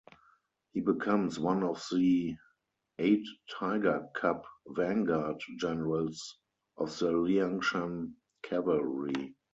He becomes one of the Eight Tiger Cub Vanguard Generals of the Liangshan cavalry.